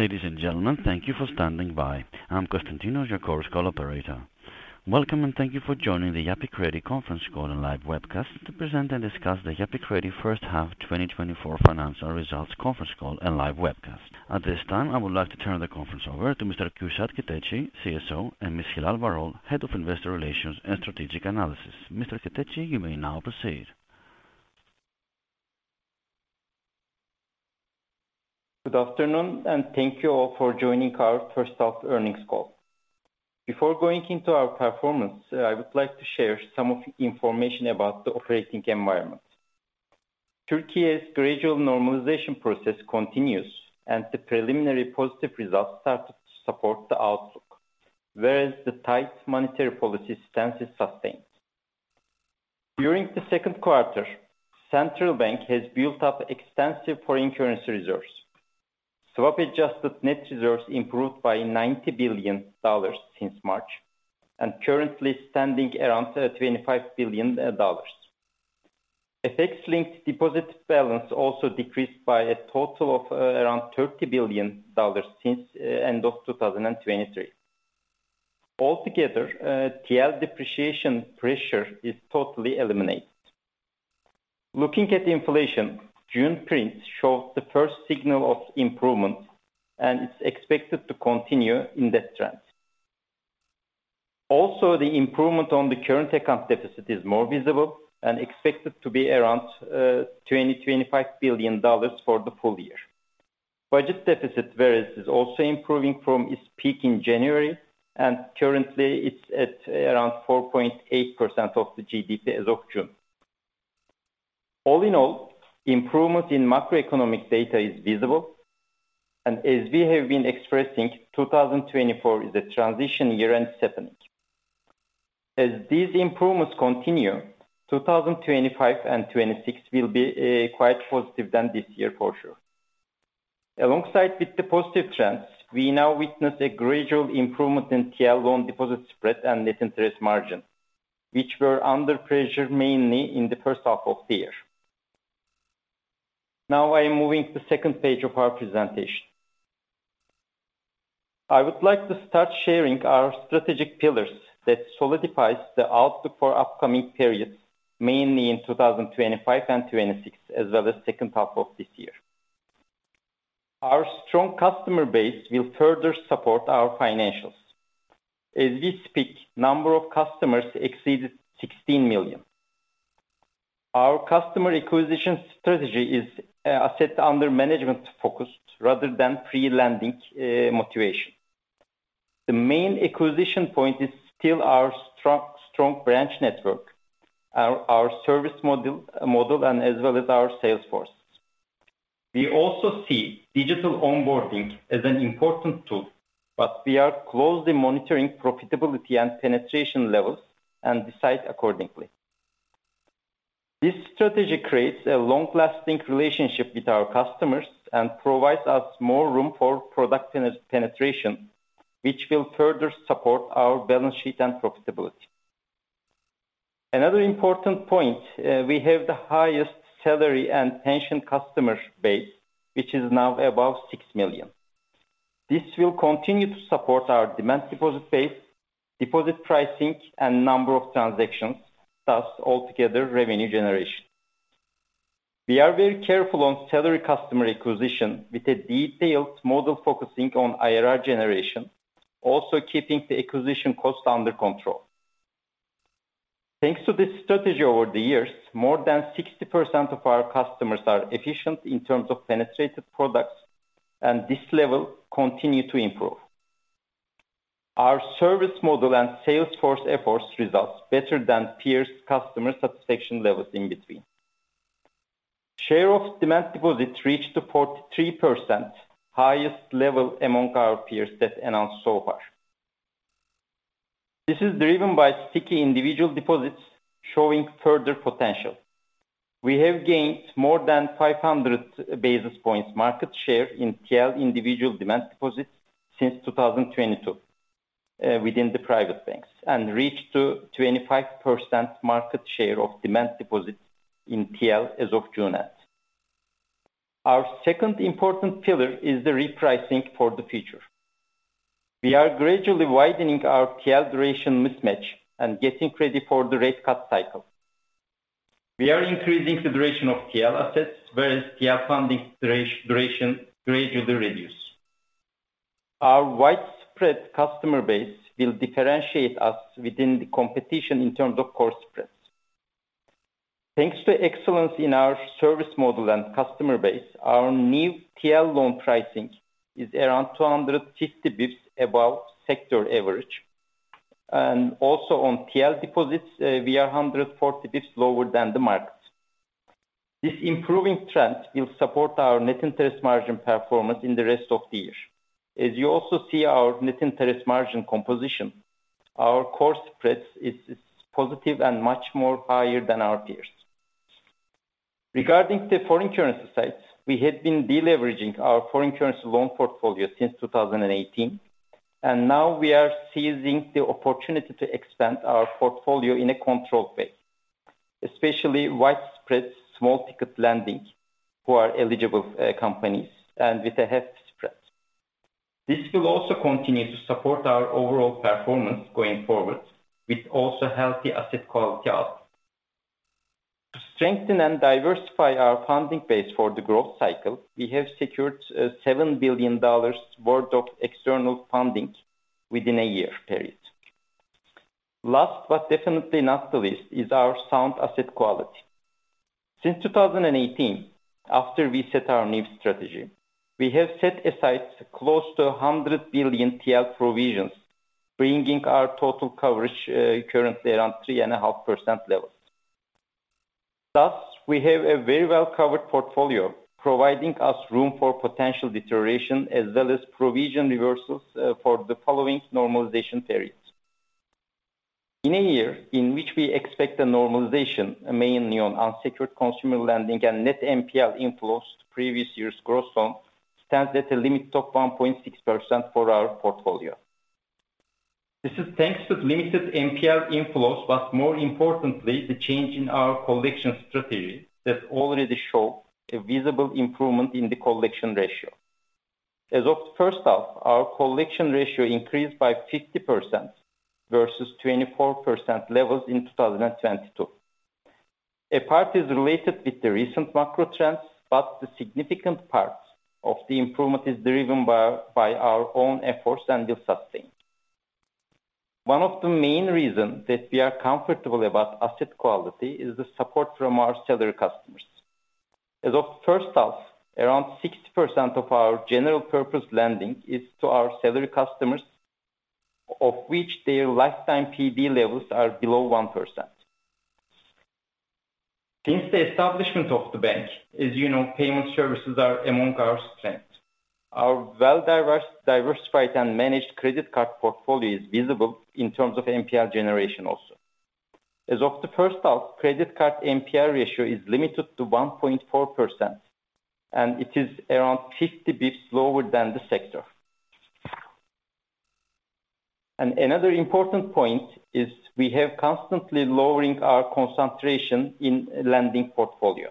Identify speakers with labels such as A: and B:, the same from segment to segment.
A: Ladies and gentlemen, thank you for standing by. I'm Constantinos, your Chorus Call operator. Welcome, and thank you for joining the Yapı Kredi conference call and live webcast to present and discuss the Yapı Kredi first half, 2024 financial results conference call and live webcast. At this time, I would like to turn the conference over to Mr. Kürşad Keteci, CSO, and Ms. Hilal Varol, Head of Investor Relations and Strategic Analysis. Mr. Keteci, you may now proceed.
B: Good afternoon, and thank you all for joining our first half earnings call. Before going into our performance, I would like to share some of the information about the operating environment. Türkiye's gradual normalization process continues, and the preliminary positive results started to support the outlook, whereas the tight monetary policy stance is sustained. During the second quarter, central bank has built up extensive foreign currency reserves. Swap-adjusted net reserves improved by $90 billion since March, and currently standing around $25 billion. FX-linked deposit balance also decreased by a total of around $30 billion since end of 2023. Altogether, TL depreciation pressure is totally eliminated. Looking at inflation, June prints show the first signal of improvement, and it's expected to continue in that trend. Also, the improvement on the current account deficit is more visible and expected to be around $20 billion-$25 billion for the full year. Budget deficit, whereas, is also improving from its peak in January, and currently it's at around 4.8% of the GDP as of June. All in all, improvement in macroeconomic data is visible, and as we have been expressing, 2024 is a transition year and [stepping]. As these improvements continue, 2025 and 2026 will be quite positive than this year, for sure. Alongside with the positive trends, we now witness a gradual improvement in TL loan deposit spread and net interest margin, which were under pressure mainly in the first half of the year. Now, I am moving to the second page of our presentation. I would like to start sharing our strategic pillars that solidifies the outlook for upcoming periods, mainly in 2025 and 2026, as well as second half of this year. Our strong customer base will further support our financials. As we speak, number of customers exceeded 16 million. Our customer acquisition strategy is asset under management focused rather than pre-lending motivation. The main acquisition point is still our strong, strong branch network, our service model, and as well as our sales force. We also see digital onboarding as an important tool, but we are closely monitoring profitability and penetration levels and decide accordingly. This strategy creates a long-lasting relationship with our customers and provides us more room for product penetration, which will further support our balance sheet and profitability. Another important point, we have the highest salary and pension customer base, which is now above 6 million. This will continue to support our demand deposit base, deposit pricing, and number of transactions, thus altogether, revenue generation. We are very careful on salary customer acquisition with a detailed model focusing on IRR generation, also keeping the acquisition cost under control. Thanks to this strategy over the years, more than 60% of our customers are efficient in terms of penetrated products, and this level continue to improve. Our service model and sales force efforts results better than peers' customer satisfaction levels in between. Share of demand deposits reached to 43%, highest level among our peers that announced so far. This is driven by sticky individual deposits showing further potential. We have gained more than 500 basis points market share in TL individual demand deposits since 2022, within the private banks, and reached to 25% market share of demand deposits in TL as of June end. Our second important pillar is the repricing for the future. We are gradually widening our TL duration mismatch and getting ready for the rate cut cycle. We are increasing the duration of TL assets, whereas TL funding duration gradually reduce. Our widespread customer base will differentiate us within the competition in terms of core spreads. Thanks to excellence in our service model and customer base, our new TL loan pricing is around 250 basis points above sector average. And also on TL deposits, we are 140 bps lower than the markets. This improving trend will support our net interest margin performance in the rest of the year. As you also see our net interest margin composition, our core spreads is positive and much more higher than our peers. Regarding the foreign currency side, we had been deleveraging our foreign currency loan portfolio since 2018, and now we are seizing the opportunity to expand our portfolio in a controlled way.... especially widespread small ticket lending for eligible, companies and with a hefty spread. This will also continue to support our overall performance going forward, with also healthy asset quality out. To strengthen and diversify our funding base for the growth cycle, we have secured $7 billion worth of external funding within a year period. Last but definitely not the least, is our sound asset quality. Since 2018, after we set our new strategy, we have set aside close to 100 billion TL provisions, bringing our total coverage, currently around 3.5% levels. Thus, we have a very well-covered portfolio, providing us room for potential deterioration as well as provision reversals for the following normalization periods. In a year in which we expect a normalization, mainly on unsecured consumer lending and net NPL inflows to previous years' growth loans stands at a limit of 1.6% for our portfolio. This is thanks to limited NPL inflows, but more importantly, the change in our collection strategy that already show a visible improvement in the collection ratio. As of the first half, our collection ratio increased by 50% versus 24% levels in 2022. A part is related with the recent macro trends, but the significant parts of the improvement is driven by our own efforts and will sustain. One of the main reasons that we are comfortable about asset quality is the support from our salary customers. As of first half, around 60% of our general purpose lending is to our salary customers, of which their lifetime PD levels are below 1%. Since the establishment of the bank, as you know, payment services are among our strength. Our well-diverse, diversified and managed credit card portfolio is visible in terms of NPL generation also. As of the first half, credit card NPL ratio is limited to 1.4%, and it is around 50 bps lower than the sector. Another important point is we have constantly lowering our concentration in lending portfolio.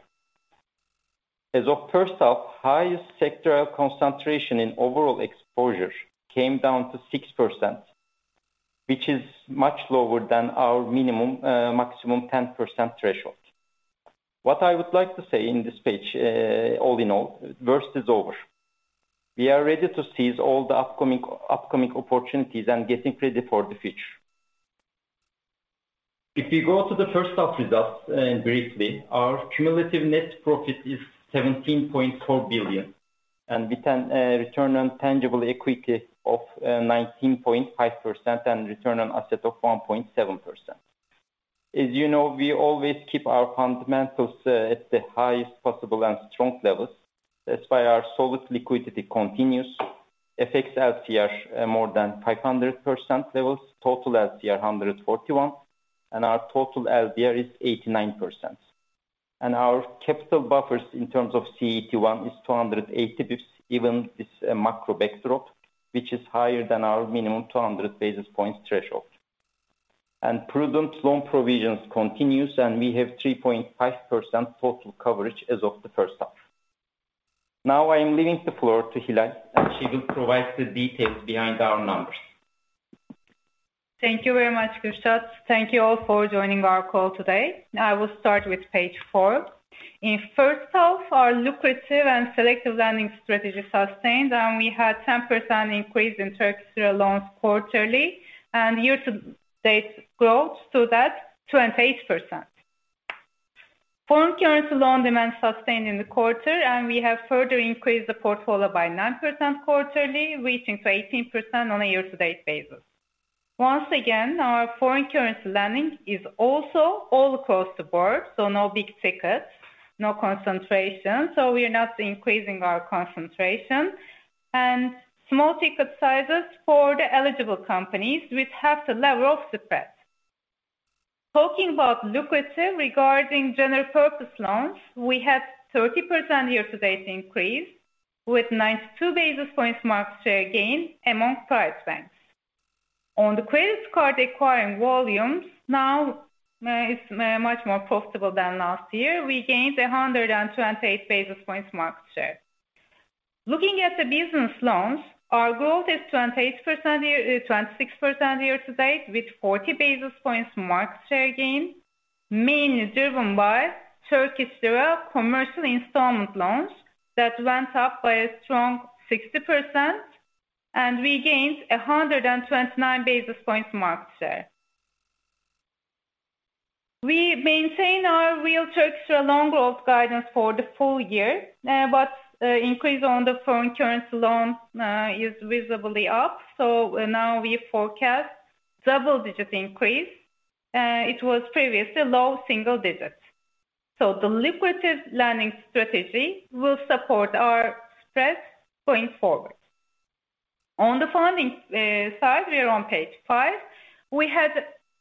B: As of first half, highest sectoral concentration in overall exposure came down to 6%, which is much lower than our minimum, maximum 10% threshold. What I would like to say in this page, all in all, worst is over. We are ready to seize all the upcoming opportunities and getting ready for the future. If you go to the first half results, briefly, our cumulative net profit is $17.4 billion, and we had a return on tangible equity of 19.5% and return on asset of 1.7%. As you know, we always keep our fundamentals at the highest possible and strong levels. That's why our solid liquidity continues. FX LCR more than 500% levels, total LCR 141%, and our total LDR is 89%. Our capital buffers in terms of CET1 is 280 bps, even this macro backdrop, which is higher than our minimum 200 basis points threshold. Prudent loan provisions continues, and we have 3.5% total coverage as of the first half. Now, I am leaving the floor to Hilal, and she will provide the details behind our numbers.
C: Thank you very much, Kürşad. Thank you all for joining our call today. I will start with page 4. In first half, our lucrative and selective lending strategy sustained, and we had 10% increase in Turkish Lira loans quarterly and year-to-date growth, so that's 28%. Foreign currency loan demand sustained in the quarter, and we have further increased the portfolio by 9% quarterly, reaching to 18% on a year-to-date basis. Once again, our foreign currency lending is also all across the board, so no big tickets, no concentration, so we are not increasing our concentration. Small ticket sizes for the eligible companies, which have the level of the spread. Talking about lucrative regarding general purpose loans, we had 30% year-to-date increase with 92 basis points market share gain among private banks. On the credit card acquiring volumes, now, it's much more profitable than last year. We gained 128 basis points market share. Looking at the business loans, our growth is 26% year to date, with 40 basis points market share gain, mainly driven by Turkish Lira commercial installment loans that went up by a strong 60%, and we gained 129 basis points market share. We maintain our real Turkish Lira loan growth guidance for the full year, but increase on the foreign currency loan is visibly up, so now we forecast double-digit increase. It was previously low single digits. So the lucrative lending strategy will support our spread going forward. On the funding side, we are on page five. We had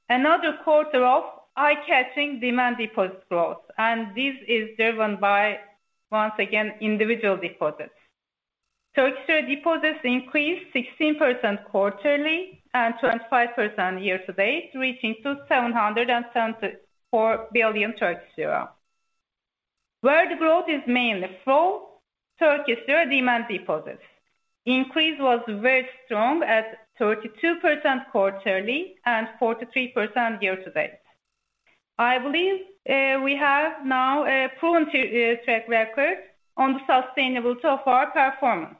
C: another quarter of eye-catching demand deposit growth, and this is driven by, once again, individual deposits. Turkish lira deposits increased 16% quarterly and 25% year-to-date, reaching TRY 774 billion. Where the growth is mainly from, Turkish lira demand deposits. Increase was very strong at 32% quarterly and 43% year-to-date. I believe, we have now a proven, track record on the sustainability of our performance.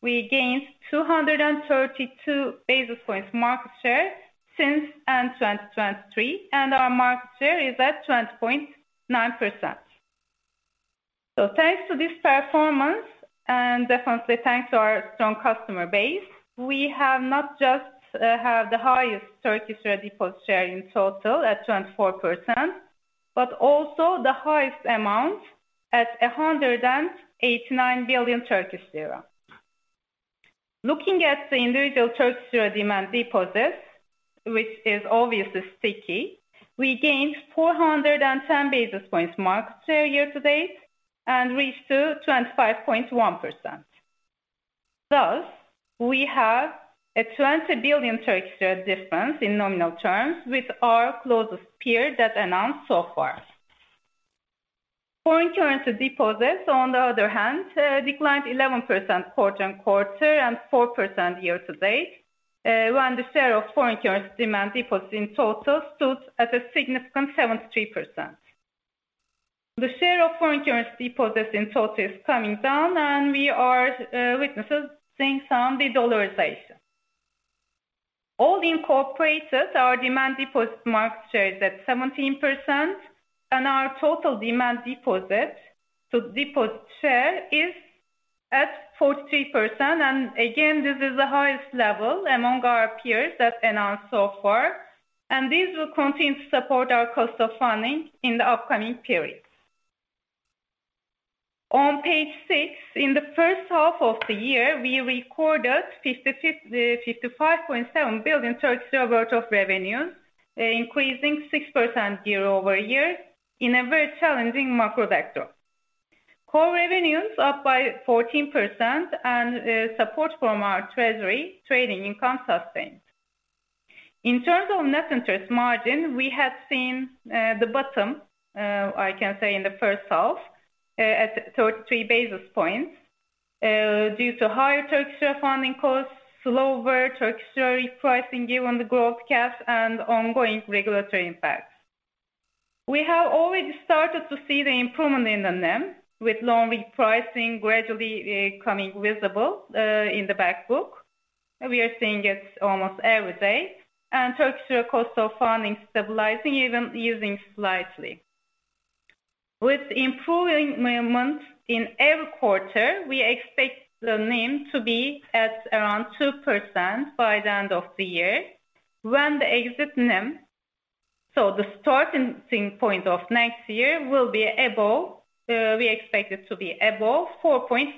C: We gained 232 basis points market share since end of 2023, and our market share is at 20.9%. So thanks to this performance, and definitely thanks to our strong customer base, we have not just, have the highest Turkish lira deposit share in total at 24%, but also the highest amount at 189 billion Turkish lira. Looking at the individual Turkish lira demand deposits, which is obviously sticky, we gained 410 basis points market share year-to-date and reached to 25.1%. Thus, we have a 20 billion difference in nominal terms with our closest peer that announced so far. Foreign currency deposits, on the other hand, declined 11% quarter-on-quarter and 4% year-to-date, when the share of foreign currency demand deposits in total stood at a significant 73%. The share of foreign currency deposits in total is coming down, and we are, witnessing seeing some de-dollarization. All in corporated, our demand deposit market share is at 17% and our total demand deposit, so deposit share is at 43%. Again, this is the highest level among our peers that announced so far, and this will continue to support our cost of funding in the upcoming period. On page six, in the first half of the year, we recorded 55.7 billion worth of revenue, increasing 6% year-over-year in a very challenging macro vector. Core revenues up by 14% and support from our treasury trading income sustained. In terms of net interest margin, we have seen the bottom, I can say in the first half, at 33 basis points, due to higher Turkish lira funding costs, slower Turkish lira repricing given the growth caps and ongoing regulatory impacts. We have already started to see the improvement in the NIM, with loan repricing gradually becoming visible in the back book. We are seeing it almost every day, and Turkish lira cost of funding stabilizing, even easing slightly. With improving movement in every quarter, we expect the NIM to be at around 2% by the end of the year, when the exit NIM, so the starting point of next year, will be above, we expect it to be above 4.5%.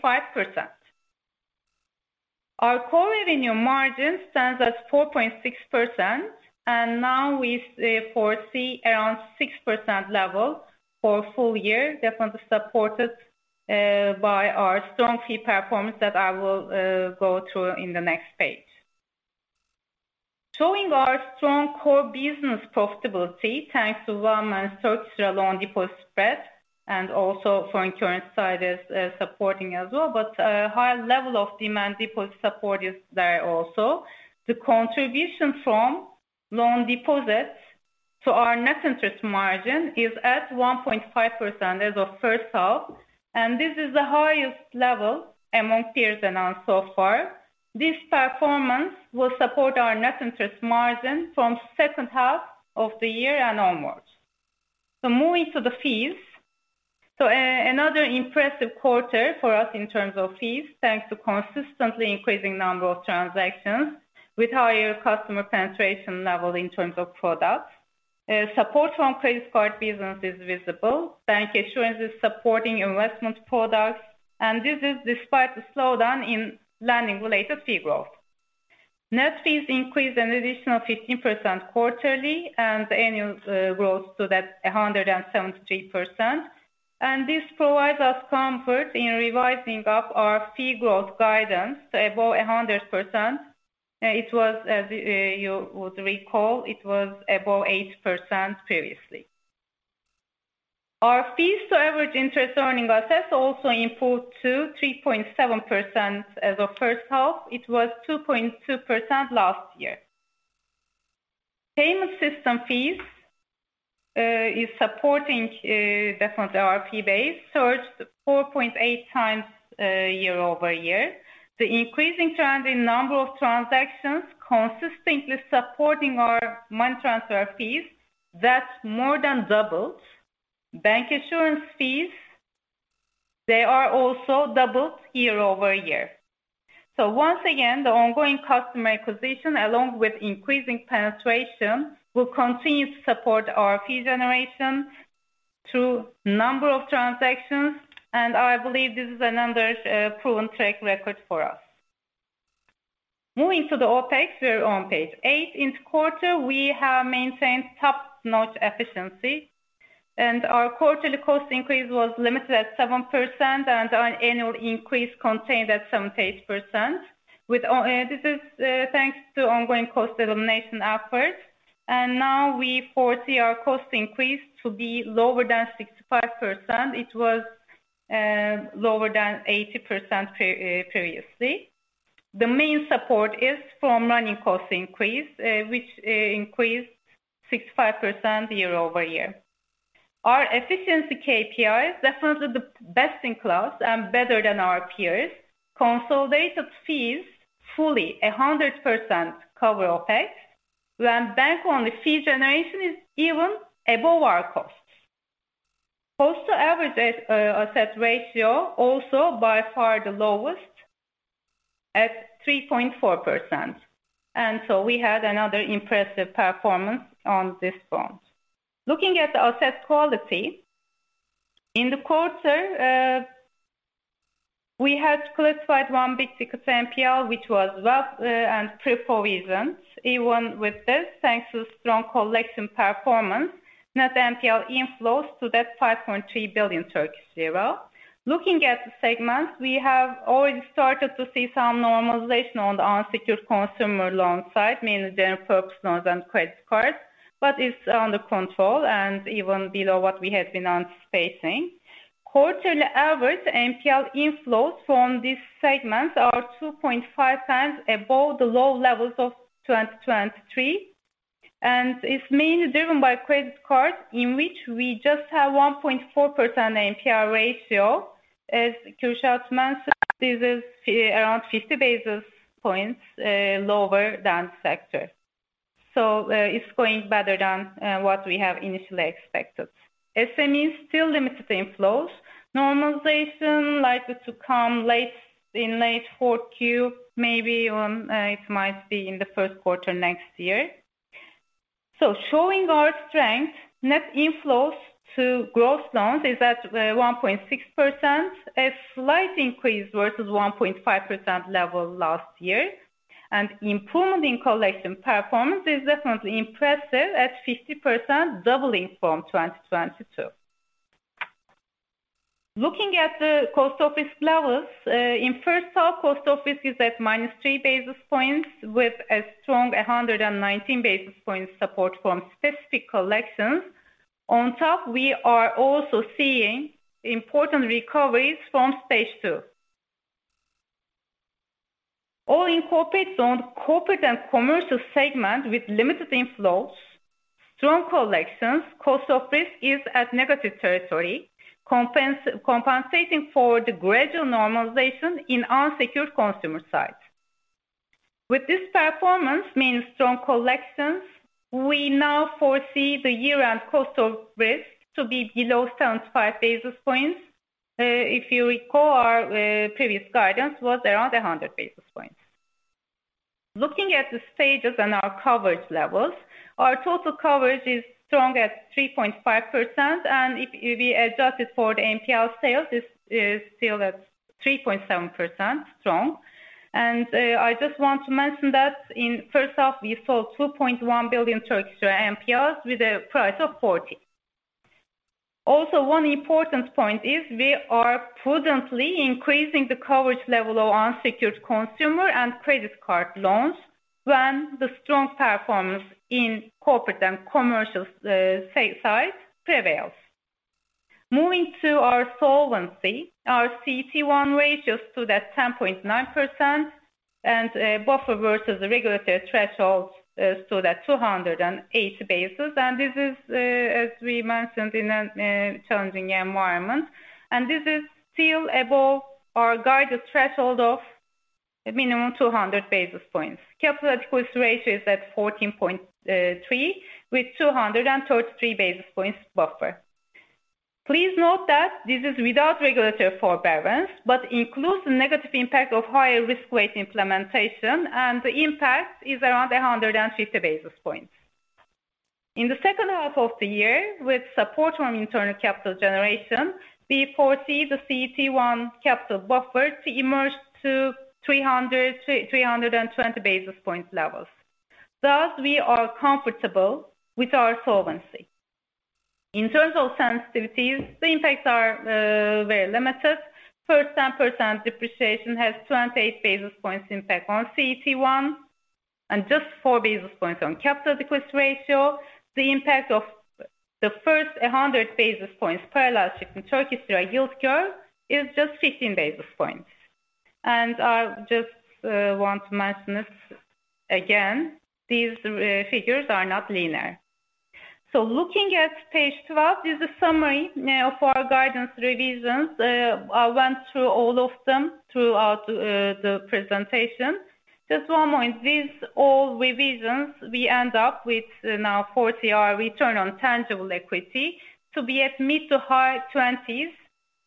C: Our core revenue margin stands at 4.6%, and now we foresee around 6% level for full year, definitely supported by our strong fee performance that I will go through in the next page. Showing our strong core business profitability, thanks to one, Turkish lira loan deposit spread, and also foreign currency side is supporting as well, but a higher level of demand deposit support is there also. The contribution from loan deposits to our net interest margin is at 1.5% as of first half, and this is the highest level among peers announced so far. This performance will support our net interest margin from second half of the year and onwards. So moving to the fees. Another impressive quarter for us in terms of fees, thanks to consistently increasing number of transactions with higher customer penetration level in terms of products. Support from credit card business is visible, bancassurance is supporting investment products, and this is despite the slowdown in lending-related fee growth. Net fees increased an additional 15% quarterly and annual, growth stood at 173%, and this provides us comfort in revising up our fee growth guidance to above 100%. It was, as, you would recall, it was above 8% previously. Our fees to average interest earning assets also improved to 3.7% as of first half. It was 2.2% last year. Payment system fees, is supporting, definitely our fee base, surged 4.8x, year-over-year. The increasing trend in number of transactions consistently supporting our money transfer fees, that more than doubled. Bank insurance fees, they are also doubled year-over-year. So once again, the ongoing customer acquisition, along with increasing penetration, will continue to support our fee generation through number of transactions, and I believe this is another, proven track record for us.... Moving to the OpEx, we're on page eight. In the quarter, we have maintained top-notch efficiency, and our quarterly cost increase was limited at 7%, and our annual increase contained at 7%-8%. This is thanks to ongoing cost elimination efforts. And now we foresee our cost increase to be lower than 65%. It was lower than 80% previously. The main support is from running cost increase, which increased 65% year-over-year. Our efficiency KPI is definitely the best in class and better than our peers. Consolidated fees fully 100% cover OpEx, when bank-only fee generation is even above our costs. Cost-to-average asset ratio also by far the lowest at 3.4%. And so we had another impressive performance on this front. Looking at the asset quality, in the quarter, we had classified one big NPL, which was well and pre-provisions. Even with this, thanks to strong collection performance, net NPL inflows totaled 5.3 billion. Looking at the segment, we have already started to see some normalization on the unsecured consumer loan side, meaning general purpose loans and credit cards, but it's under control and even below what we had been anticipating. Quarterly average NPL inflows from this segment are 2.5x above the low levels of 2023, and it's mainly driven by credit card, in which we just have 1.4% NPL ratio. As Kürşad mentioned, this is around 50 basis points lower than sector. So, it's going better than what we have initially expected. SMEs still limited inflows. Normalization likely to come late in 4Q, maybe on, it might be in the first quarter next year. So showing our strength, net inflows to growth loans is at 1.6%, a slight increase versus 1.5% level last year, and improvement in collection performance is definitely impressive at 50%, doubling from 2022. Looking at the cost of risk levels, in first half, cost of risk is at -3 basis points, with a strong 119 basis points support from specific collections. On top, we are also seeing important recoveries from Stage 2. All incorporate zone, corporate and commercial segment with limited inflows, strong collections, cost of risk is at negative territory, compensating for the gradual normalization in unsecured consumer side. With this performance, means strong collections, we now foresee the year-end cost of risk to be below 75 basis points. If you recall, our previous guidance was around 100 basis points. Looking at the stages and our coverage levels, our total coverage is strong at 3.5%, and if we adjust it for the NPL sales, this is still at 3.7% strong. And I just want to mention that in first half, we saw 2.1 billion Turkish NPLs with a price of 40. Also, one important point is we are prudently increasing the coverage level of unsecured consumer and credit card loans when the strong performance in corporate and commercial sales side prevails. Moving to our solvency, our CET1 ratios stood at 10.9% and buffer versus the regulatory thresholds stood at 280 basis. And this is, as we mentioned, in a challenging environment, and this is still above our guided threshold of a minimum 200 basis points. Capital adequacy ratio is at 14.3, with 233 basis points buffer. Please note that this is without regulatory forbearance, but includes the negative impact of higher risk weight implementation, and the impact is around 150 basis points. In the second half of the year, with support from internal capital generation, we foresee the CET1 capital buffer to emerge to 300-320 basis point levels. Thus, we are comfortable with our solvency. In terms of sensitivities, the impacts are very limited. First, 10% depreciation has 28 basis points impact on CET1 and just 4 basis points on capital adequacy ratio. The impact of the first a hundred basis points parallel shift in Turkish lira yield curve is just 15 basis points. And I just want to mention this again, these figures are not linear. So looking at page 12, this is a summary now for our guidance revisions. I went through all of them throughout the presentation. Just one more, these all revisions, we end up with now foresee, our return on tangible equity to be at mid to high 20s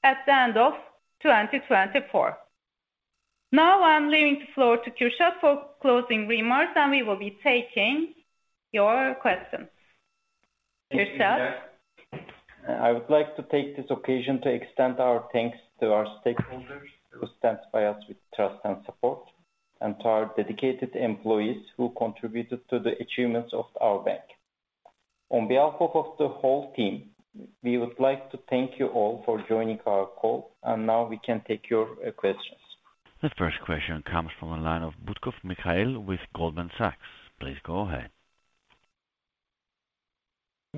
C: at the end of 2024. Now I'm leaving the floor to Kürşad for closing remarks, and we will be taking your questions. Kürşad?
B: I would like to take this occasion to extend our thanks to our stakeholders, who stands by us with trust and support, and to our dedicated employees who contributed to the achievements of our bank. On behalf of, of the whole team, we would like to thank you all for joining our call, and now we can take your questions.
A: The first question comes from a line of Butkov Mikhail with Goldman Sachs. Please go ahead.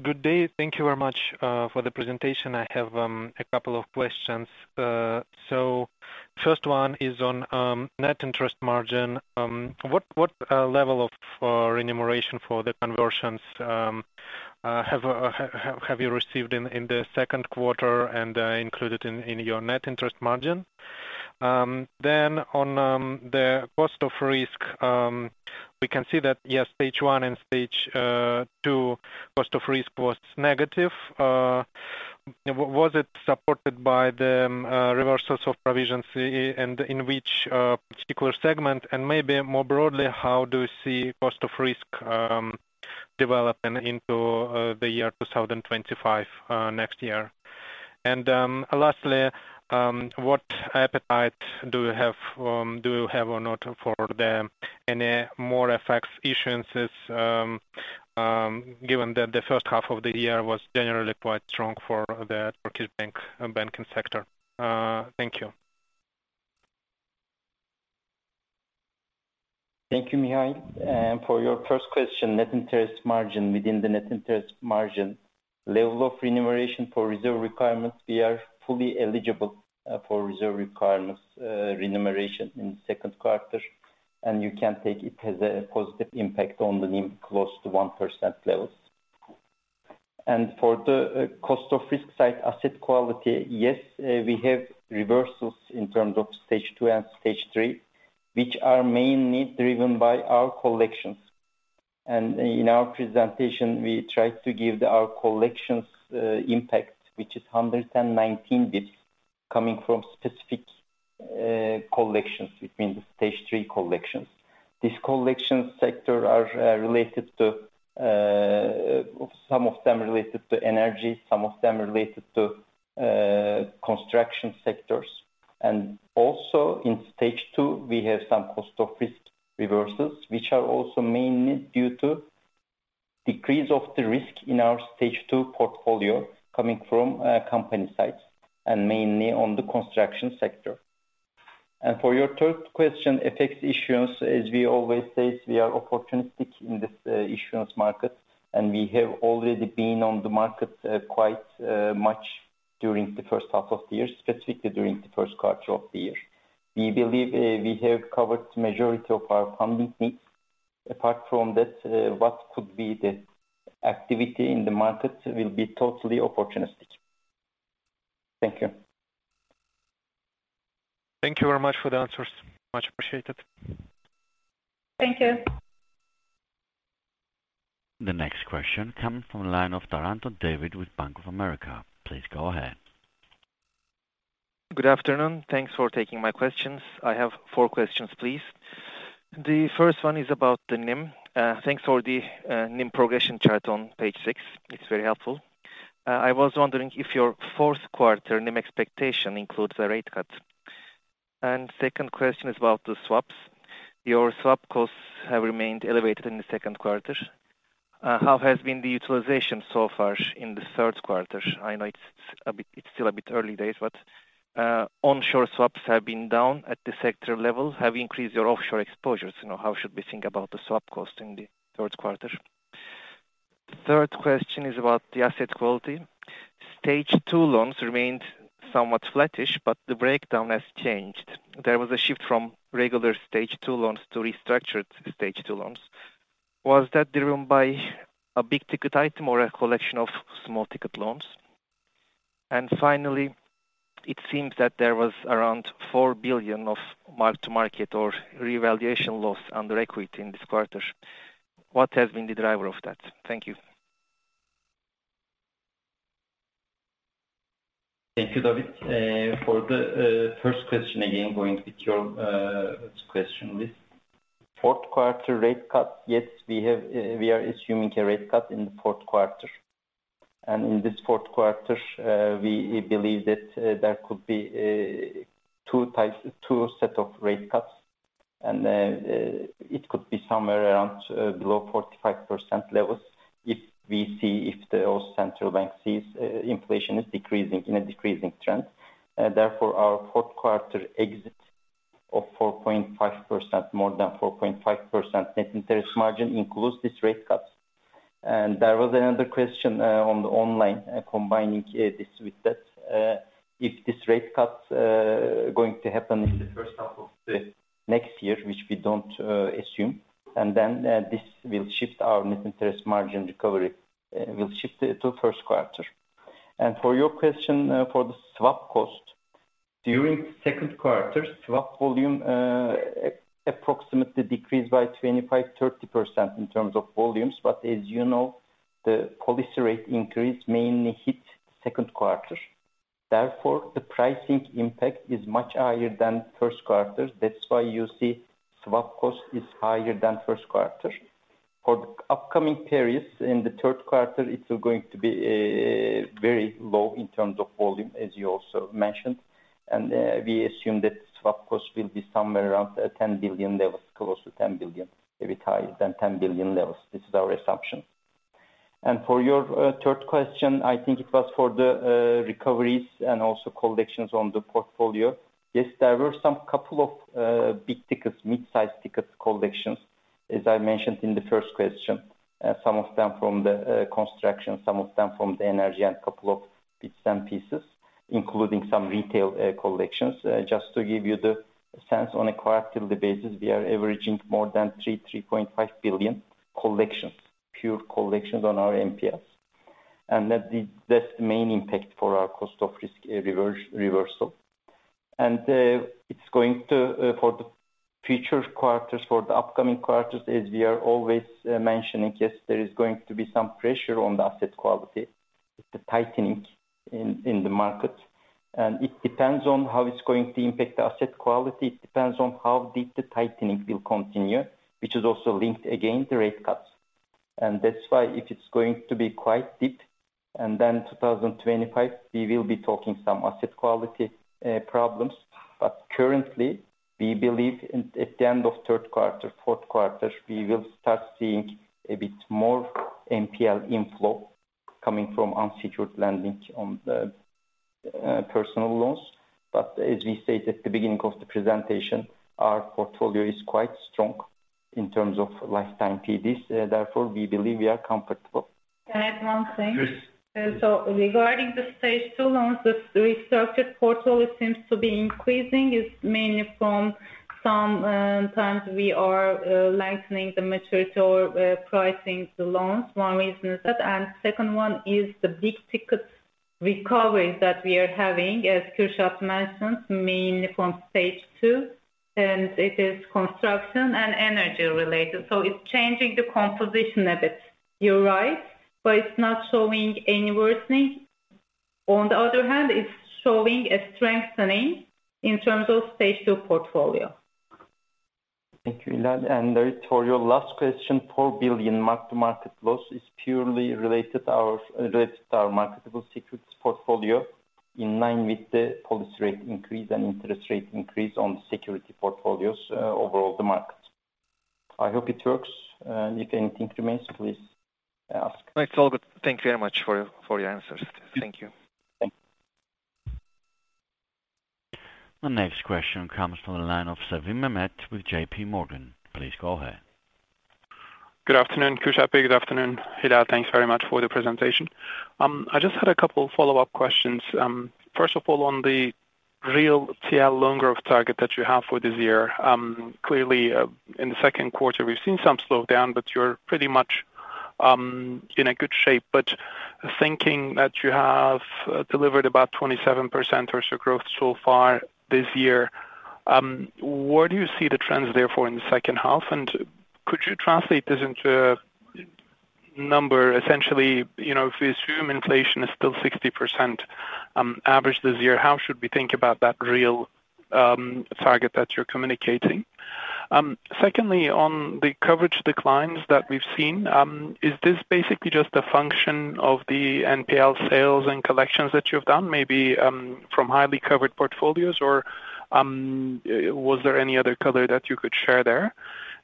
D: Good day. Thank you very much for the presentation. I have a couple of questions. So first one is on net interest margin. What level of remuneration for the conversions have you received in the second quarter and included in your net interest margin? Then on the cost of risk, we can see that, yes, Stage 1 and Stage 2 cost of risk was negative. Was it supported by the reversals of provisions and in which particular segment? And maybe more broadly, how do you see cost of risk developing into the year 2025, next year? Lastly, what appetite do you have or not for any more effects issuances, given that the first half of the year was generally quite strong for the Turkish bank and banking sector? Thank you.
B: Thank you, Mikhail. For your first question, net interest margin. Within the net interest margin, level of remuneration for reserve requirements, we are fully eligible for reserve requirements remuneration in the second quarter, and you can take it has a positive impact on the NIM close to 1% levels. For the cost of risk side, asset quality, yes, we have reversals in terms of Stage 2 and Stage 3, which are mainly driven by our collections. In our presentation, we tried to give our collections impact, which is 119 basis points coming from specific collections between the Stage 3 collections. These collection sectors are related to some of them related to energy, some of them related to construction sectors. And also in Stage 2, we have some cost of risk reversals, which are also mainly due to decrease of the risk in our Stage 2 portfolio coming from company sides and mainly on the construction sector. For your third question, debt issuance, as we always say, we are opportunistic in this issuance market, and we have already been on the market quite much during the first half of the year, specifically during the first quarter of the year. We believe we have covered majority of our funding needs. Apart from that, what could be the activity in the market will be totally opportunistic. Thank you.
D: Thank you very much for the answers. Much appreciated.
C: Thank you.
A: The next question comes from the line of Taranto David with Bank of America. Please go ahead.
E: Good afternoon. Thanks for taking my questions. I have four questions, please. The first one is about the NIM. Thanks for the NIM progression chart on page six. It's very helpful. I was wondering if your fourth quarter NIM expectation includes a rate cut? Second question is about the swaps. Your swap costs have remained elevated in the second quarter. How has been the utilization so far in the third quarter? I know it's still a bit early days, but onshore swaps have been down at the sector level. Have you increased your offshore exposures? You know, how should we think about the swap cost in the third quarter? Third question is about the asset quality. Stage 2 loans remained somewhat flattish, but the breakdown has changed. There was a shift from regular Stage 2 loans to restructured Stage 2 loans. Was that driven by a big-ticket item or a collection of small-ticket loans? Finally, it seems that there was around 4 billion of mark-to-market or revaluation loss under equity in this quarter. What has been the driver of that? Thank you.
B: Thank you, David. For the first question, again, going with your first question, please. Fourth quarter rate cut, yes, we have, we are assuming a rate cut in the fourth quarter. In this fourth quarter, we believe that, there could be, two types, two set of rate cuts, and, it could be somewhere around, below 45% levels if we see—if the Central Bank sees, inflation is decreasing, in a decreasing trend. Therefore, our fourth quarter exit of 4.5%, more than 4.5% net interest margin includes this rate cut. There was another question, on the online, combining, this with that. If this rate cut going to happen in the first half of the next year, which we don't assume, and then this will shift our net interest margin recovery, will shift it to first quarter. And for your question, for the swap cost, during the second quarter, swap volume approximately decreased by 25%-30% in terms of volumes. But as you know, the policy rate increase mainly hit second quarter. Therefore, the pricing impact is much higher than first quarter. That's why you see swap cost is higher than first quarter. For the upcoming periods, in the third quarter, it's going to be very low in terms of volume, as you also mentioned. And we assume that swap cost will be somewhere around 10 billion levels, close to 10 billion, maybe higher than 10 billion levels. This is our assumption. For your third question, I think it was for the recoveries and also collections on the portfolio. Yes, there were some couple of big tickets, mid-size tickets collections, as I mentioned in the first question. Some of them from the construction, some of them from the energy, and a couple of bits and pieces, including some retail collections. Just to give you the sense, on a quarterly basis, we are averaging more than 3 billion-3.5 billion collections, pure collections on our NPLs. And that is—that's the main impact for our cost of risk reversal. And it's going to, for the future quarters, for the upcoming quarters, as we are always mentioning, yes, there is going to be some pressure on the asset quality, the tightening in the market. It depends on how it's going to impact the asset quality. It depends on how deep the tightening will continue, which is also linked, again, to rate cuts. That's why if it's going to be quite deep, and then 2025, we will be talking some asset quality problems. But currently, we believe at the end of third quarter, fourth quarter, we will start seeing a bit more NPL inflow coming from unsecured lending on the personal loans. As we said at the beginning of the presentation, our portfolio is quite strong in terms of lifetime PDs. Therefore, we believe we are comfortable.
C: Can I add one thing?
B: Yes.
C: So regarding the Stage 2 loans, the restructured portfolio seems to be increasing. It's mainly from some times we are lengthening the maturity or pricing the loans. One reason is that, and second one is the big ticket recovery that we are having, as Kürşad mentioned, mainly from Stage 2, and it is construction and energy-related. So it's changing the composition a bit. You're right, but it's not showing any worsening. On the other hand, it's showing a strengthening in terms of Stage 2 portfolio.
B: Thank you, Hilal. And for your last question, 4 billion mark-to-market loss is purely related to our, related to our marketable securities portfolio, in line with the policy rate increase and interest rate increase on security portfolios, over all the markets. I hope it works, and if anything remains, please ask.
E: No, it's all good. Thank you very much for your answers. Thank you.
B: Thank you.
A: The next question comes from the line of Sevim Mehmet with J.P. Morgan. Please go ahead.
F: Good afternoon, Kürşad. Good afternoon, Hilal. Thanks very much for the presentation. I just had a couple of follow-up questions. First of all, on the real TL loan growth target that you have for this year. Clearly, in the second quarter, we've seen some slowdown, but you're pretty much in a good shape. But thinking that you have delivered about 27% or so growth so far this year, where do you see the trends therefore in the second half? And could you translate this into a number? Essentially, you know, if we assume inflation is still 60% average this year, how should we think about that real target that you're communicating? Secondly, on the coverage declines that we've seen, is this basically just a function of the NPL sales and collections that you've done, maybe, from highly covered portfolios, or, was there any other color that you could share there?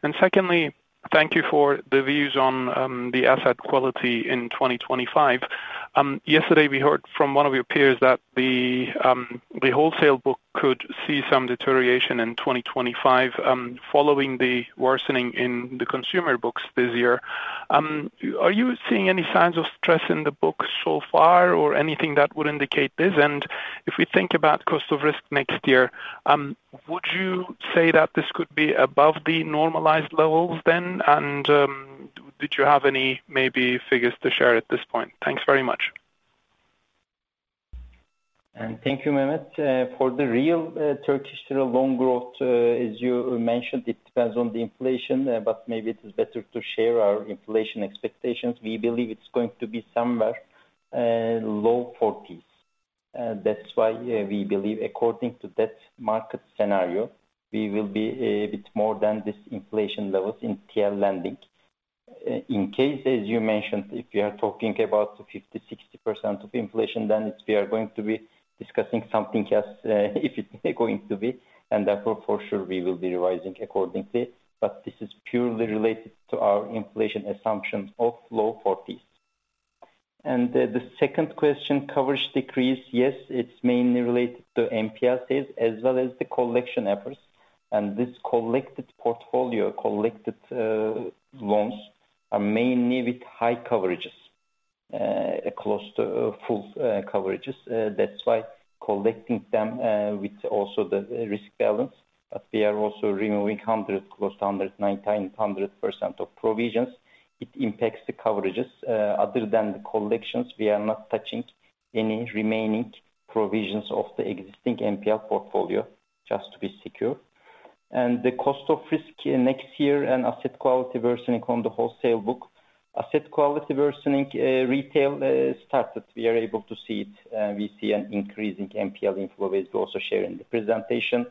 F: And secondly, thank you for the views on, the asset quality in 2025. Yesterday, we heard from one of your peers that the, the wholesale book could see some deterioration in 2025, following the worsening in the consumer books this year. Are you seeing any signs of stress in the books so far or anything that would indicate this? And if we think about cost of risk next year, would you say that this could be above the normalized levels then? And, did you have any, maybe, figures to share at this point? Thanks very much.
B: And thank you, Mehmet. For the real Turkish loan growth, as you mentioned, it depends on the inflation, but maybe it is better to share our inflation expectations. We believe it's going to be somewhere low 40s. That's why we believe according to that market scenario, we will be a bit more than this inflation levels in TL lending. In case, as you mentioned, if we are talking about 50%-60% inflation, then we are going to be discussing something else, if it's going to be, and therefore, for sure, we will be revising accordingly. But this is purely related to our inflation assumption of low 40s. And the second question, coverage decrease. Yes, it's mainly related to NPL sales as well as the collection efforts. This collected portfolio, collected loans, are mainly with high coverages, close to full coverages. That's why collecting them with also the risk balance, but we are also removing 100, close to 100, 99%-100% of provisions. It impacts the coverages. Other than the collections, we are not touching any remaining provisions of the existing NPL portfolio just to be secure, and the cost of risk next year and asset quality worsening on the wholesale book. Asset quality worsening, retail, started. We are able to see it. We see an increase in NPL inflows. We also share in the presentation.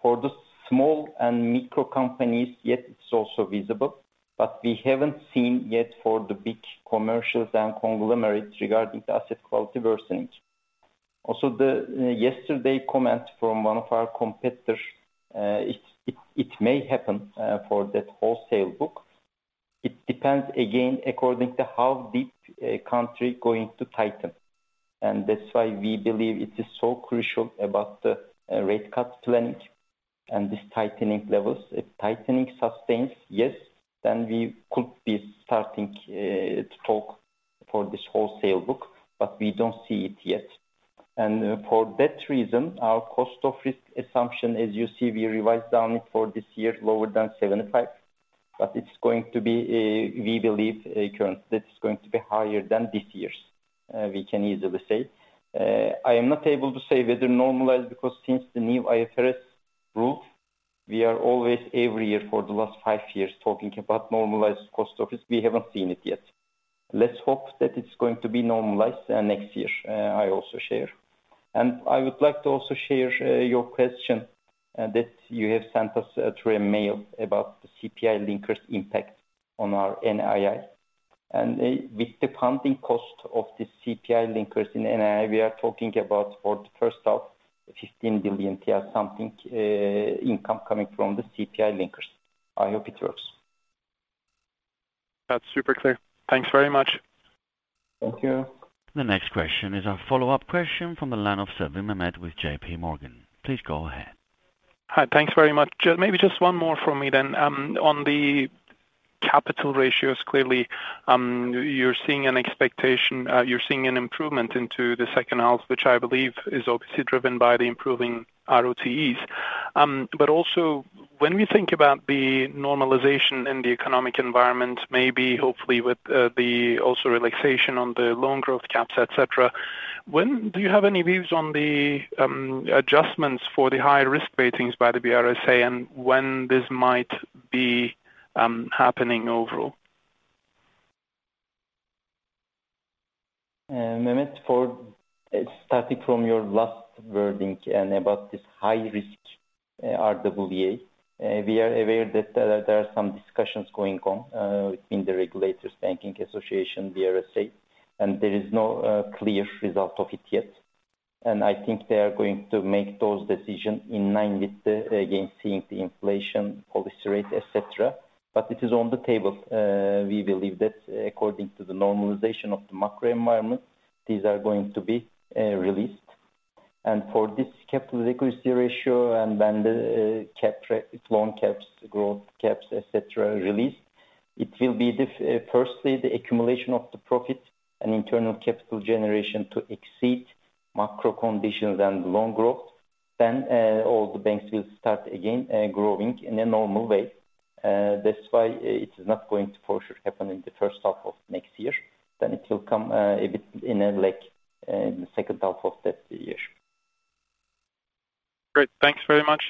B: For the small and micro companies, yet it's also visible, but we haven't seen yet for the big commercials and conglomerates regarding the asset quality worsening. Also, the yesterday comment from one of our competitors, it may happen for that wholesale book. It depends, again, according to how deep a country going to tighten, and that's why we believe it is so crucial about the rate cut planning and this tightening levels. If tightening sustains, yes, then we could be starting to talk for this wholesale book, but we don't see it yet. And for that reason, our cost of risk assumption, as you see, we revised down for this year, lower than 75. But it's going to be, we believe, a current, that's going to be higher than this year's, we can easily say. I am not able to say whether normalized, because since the new IFRS rule, we are always, every year for the last five years, talking about normalized cost of risk. We haven't seen it yet. Let's hope that it's going to be normalized next year. I also share. I would like to also share your question that you have sent us through a mail about the CPI linkers impact on our NII. With the funding cost of the CPI linkers in NII, we are talking about for the first half, 15 billion TL, something, income coming from the CPI linkers. I hope it works.
F: That's super clear. Thanks very much.
B: Thank you.
A: The next question is a follow-up question from the line of Sevim Mehmet with J.P. Morgan. Please go ahead.
F: Hi, thanks very much. Just maybe just one more for me then. On the capital ratios, clearly, you're seeing an expectation, you're seeing an improvement into the second half, which I believe is obviously driven by the improving ROTEs. But also, when we think about the normalization in the economic environment, maybe, hopefully with, the also relaxation on the loan growth caps, et cetera, when do you have any views on the, adjustments for the high risk ratings by the BRSA and when this might be happening overall?
B: Mehmet, for starting from your last wording and about this high risk, RWA, we are aware that there are some discussions going on within the regulators, Banking Association, BRSA, and there is no clear result of it yet. I think they are going to make those decisions in line with, again, seeing the inflation, policy rate, et cetera. But it is on the table. We believe that according to the normalization of the macro environment, these are going to be released. And for this capital adequacy ratio and then the regulatory loan caps, growth caps, et cetera, released, it will be the, firstly, the accumulation of the profit and internal capital generation to exceed macro conditions and loan growth. Then all the banks will start again growing in a normal way. That's why it is not going to for sure happen in the first half of next year. Then it will come a bit in the second half of that year.
F: Great. Thanks very much.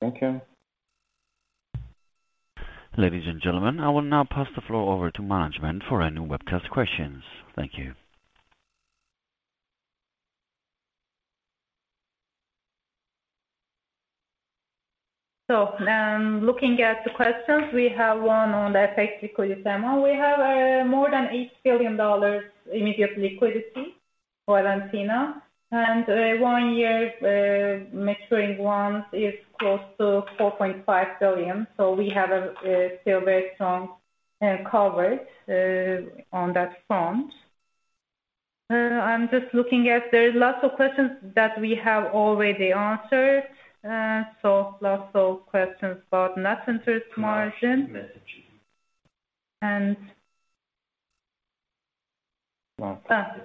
B: Thank you.
A: Ladies and gentlemen, I will now pass the floor over to management for any webcast questions. Thank you.
C: So, looking at the questions, we have one on the effective liquidity. We have more than $8 billion immediate liquidity for Valentina, and one-year maturing ones is close to $4.5 billion. So we have a still very strong coverage on that front. I'm just looking at... There are lots of questions that we have already answered. So lots of questions about net interest margin. And.
B: Well.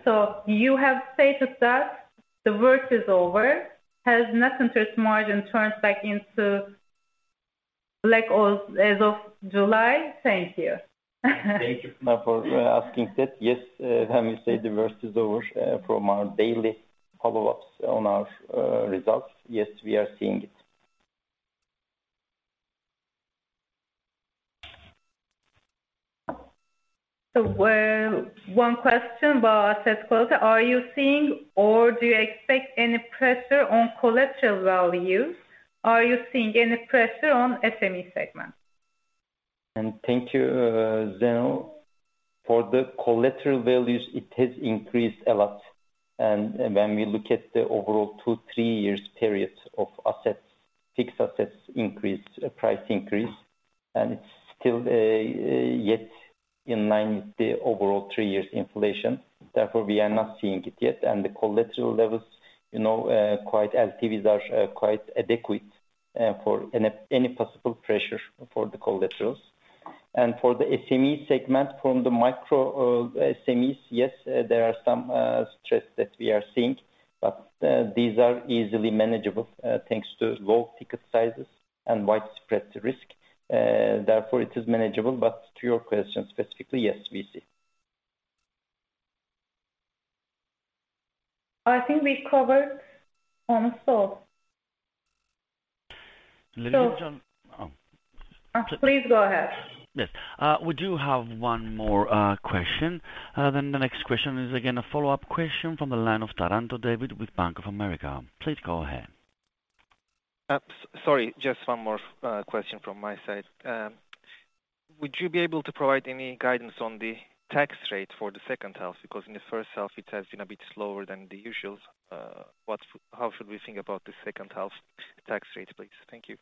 C: So you have stated that the work is over. Has net interest margin turned back into black as of July? Thank you.
B: Thank you for asking that. Yes, let me say the worst is over, from our daily follow-ups on our results. Yes, we are seeing it.
C: So, one question about asset quality: Are you seeing or do you expect any pressure on collateral values? Are you seeing any pressure on SME segment?
B: Thank you, Zenel. For the collateral values, it has increased a lot. And when we look at the overall 2-3-year periods of assets, fixed assets increase, price increase, and it's still, yet in line with the overall 3-year inflation. Therefore, we are not seeing it yet. And the collateral levels, you know, quite LTVs are, quite adequate, for any, any possible pressure for the collaterals. And for the SME segment, from the micro, SMEs, yes, there are some, stress that we are seeing, but, these are easily manageable, thanks to low ticket sizes and widespread risk. Therefore, it is manageable. But to your question, specifically, yes, we see.
C: I think we covered almost all.
A: Ladies and gentlemen... Oh.
C: Please go ahead.
A: Yes. We do have one more question. The next question is again, a follow-up question from the line of Taranto David with Bank of America. Please go ahead.
E: Sorry, just one more question from my side. Would you be able to provide any guidance on the tax rate for the second half? Because in the first half it has been a bit slower than the usual. How should we think about the second half tax rate, please? Thank you.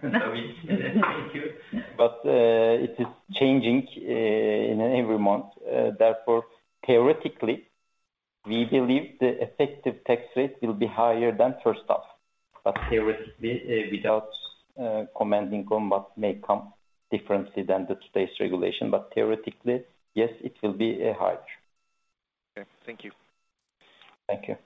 B: Thank you. But it is changing in every month. Therefore, theoretically, we believe the effective tax rate will be higher than first half, but theoretically, without commenting on what may come differently than today's regulation. But theoretically, yes, it will be higher.
E: Okay. Thank you.
B: Thank you.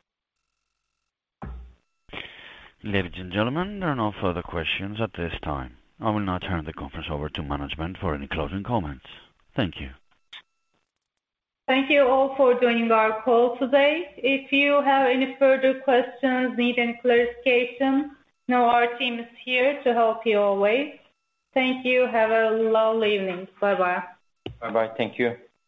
A: Ladies and gentlemen, there are no further questions at this time. I will now turn the conference over to management for any closing comments. Thank you.
C: Thank you all for joining our call today. If you have any further questions, need any clarification, know our team is here to help you always. Thank you. Have a lovely evening. Bye-bye.
B: Bye-bye. Thank you.